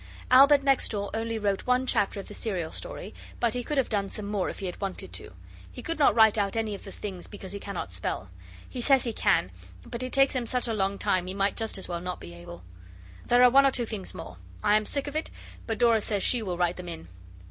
Albert next door only wrote one chapter of the serial story, but he could have done some more if he had wanted to. He could not write out any of the things because he cannot spell. He says he can, but it takes him such a long time he might just as well not be able. There are one or two things more. I am sick of it, but Dora says she will write them in.